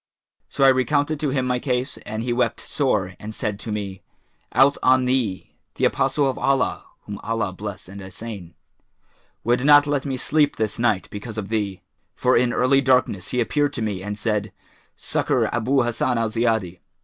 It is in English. So I recounted to him my case and he wept sore and said to me, 'Out on thee! The Apostle of Allah (whom Allah bless and assain!) would not let me sleep this night, because of thee; for in early darkness[FN#421] he appeared to me and said, 'Succour Abu Hassan al Ziyadi.'